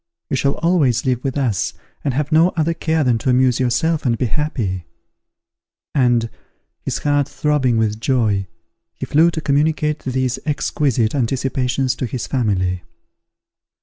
You shall always live with us, and have no other care than to amuse yourself and be happy;" and, his heart throbbing with joy, he flew to communicate these exquisite anticipations to his family.